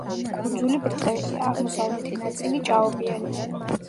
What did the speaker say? კუნძული ბრტყელია, აღმოსავლეთი ნაწილი ჭაობიანია.